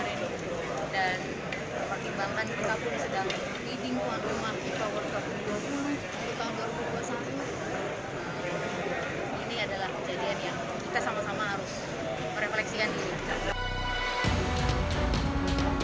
ini adalah kejadian yang kita sama sama harus merefleksikan diri